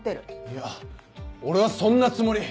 いや俺はそんなつもり。